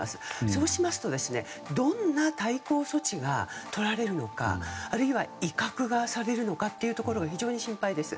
そうしますと、どんな対抗措置がとられるのかあるいは威嚇がされるのかが非常に心配です。